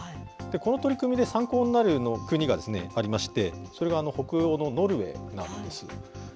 この取り組みで参考になる国がありまして、それは北欧のノルウェーなんです。